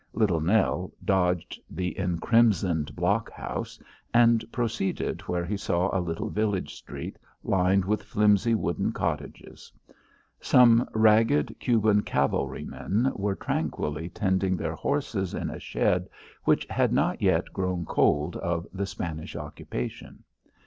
Little Nell dodged the encrimsoned blockhouse, and proceeded where he saw a little village street lined with flimsy wooden cottages. Some ragged Cuban cavalrymen were tranquilly tending their horses in a shed which had not yet grown cold of the Spanish occupation.